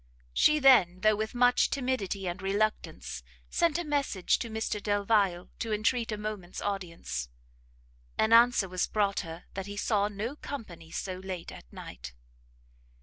She then, though with much timidity and reluctance, sent a message to Mr Delvile to entreat a moment's audience. An answer was brought her that he saw no company so late at night.